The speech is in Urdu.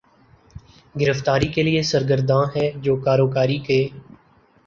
گرفتاری کے لیے سرگرداں ہے جو کاروکاری کے